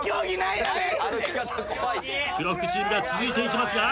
黒服チームが続いていきますが。